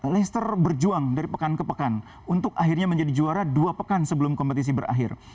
leicester berjuang dari pekan ke pekan untuk akhirnya menjadi juara dua pekan sebelum kompetisi berakhir